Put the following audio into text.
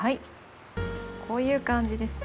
こういう感じですね。